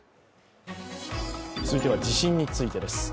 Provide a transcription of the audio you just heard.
続いては地震についてです。